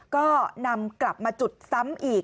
ก็นำกลับมาจุดซ้ำอีก